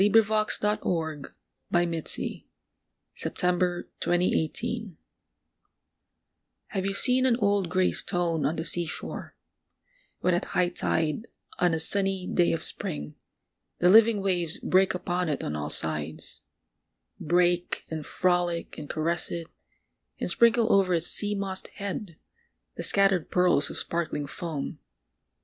Dec, 1878. 304 POEMS IN PROSE n [1879 1882] THE STONE Have you seen an old grey stone on the sea shore, when at high tide, on a sunny day of spring, the living waves break upon it on all sides — break and frolic and caress it — and sprinkle over its sea mossed head the scattered pearls of sparkling foam